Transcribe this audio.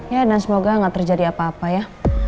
ya dan semoga gak terjadi apa apa ya